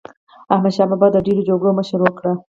احمدشاه بابا د ډېرو جګړو مشري وکړه.